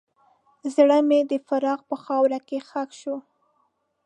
زړه مې د فراق په خاوره کې ښخ شو.